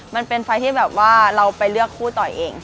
มันเป็นไฟล์ที่แบบว่าเราไปเลือกคู่ต่อยเอง